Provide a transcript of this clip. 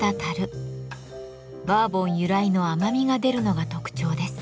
バーボン由来の甘みが出るのが特徴です。